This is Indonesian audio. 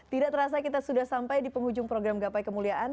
tidak terasa kita sudah sampai di penghujung program gapai kemuliaan